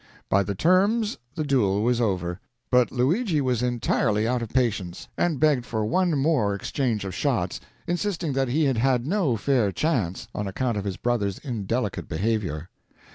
By the terms, the duel was over. But Luigi was entirely out of patience, and begged for one more exchange of shots, insisting that he had had no fair chance, on account of his brother's indelicate behavior.